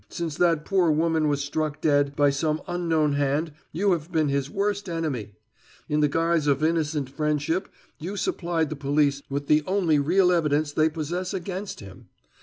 Since that poor woman was struck dead by some unknown hand you have been his worst enemy. In the guise of innocent friendship you supplied the police with the only real evidence they possess against him.